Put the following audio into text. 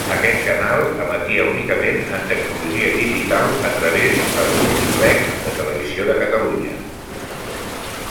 Aquest canal emetia únicament en tecnologia digital a través del múltiplex de Televisió de Catalunya.